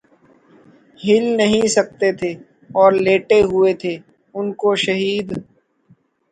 ہل نہیں سکتے تھے اور لیٹے ہوئے تھے انکو شہید